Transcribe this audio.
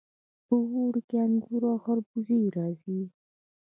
په اوړي کې انګور او خربوزې راځي.